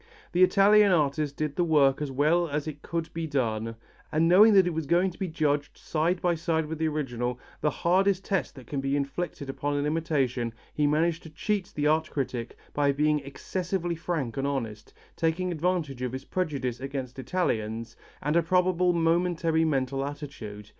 The Italian artist did the work as well as it could be done, and knowing that it was going to be judged side by side with the original, the hardest test that can be inflicted upon an imitation, he managed to cheat the art critic by being excessively frank and honest, taking advantage of his prejudice against Italians and a probable momentary mental attitude.